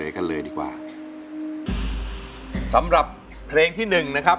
กันเลยดีกว่าสำหรับเพลงที่หนึ่งนะครับ